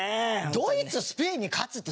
ドイツスペインに勝つって。